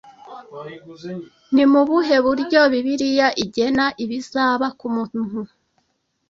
ni mu buhe buryo bibiliya igena ibizaba ku muntu